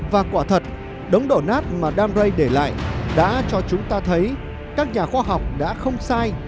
và quả thật đống đổ nát mà dan rây để lại đã cho chúng ta thấy các nhà khoa học đã không sai